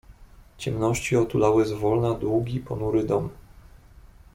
"Ciemności otulały zwolna długi, ponury dom."